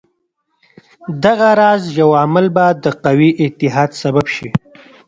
دغه راز یو عمل به د قوي اتحاد سبب شي.